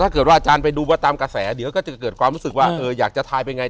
อาจารย์ไปดูว่าตามกระแสเดี๋ยวก็จะเกิดความรู้สึกว่าอยากจะทายเป็นไง